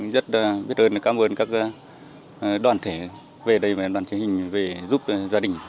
rất biết ơn cảm ơn các đoàn thể về đây đoàn chế hình về giúp gia đình